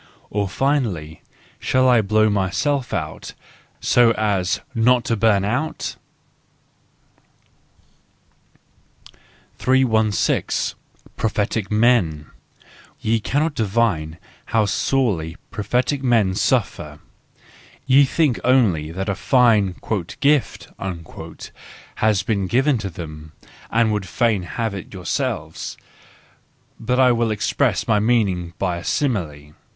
Or finally, shall I blow myself out, so as not to bum out ? 316. Prophetic Men .—Ye cannot divine how sorely prophetic men suffer: ye think only that a fine "gift" has been given to them, and would fain have it yourselves,—but I will express my meaning by a simile.